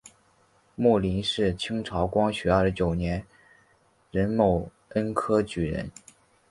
牟琳是清朝光绪二十九年癸卯恩科举人。